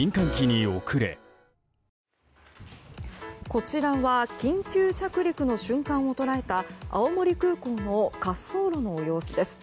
こちらは緊急着陸の瞬間を捉えた青森空港の滑走路の様子です。